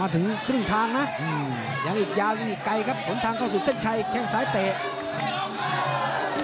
ถึงครึ่งทางนะยังอีกยาวยังอีกไกลครับผลทางเข้าสู่เส้นชัยแข้งซ้ายเตะ